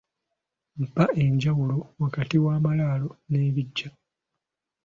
Mpa enjawulo wakati w’amaalaalo n’ebiggya.